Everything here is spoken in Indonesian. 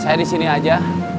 saya disini aja